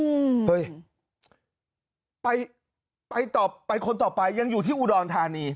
อืมเฮ้ยไปไปต่อไปคนต่อไปยังอยู่ที่อุดรธานี